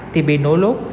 thì bị nổ lốt